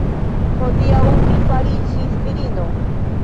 Hodiaŭ mi fariĝis virino!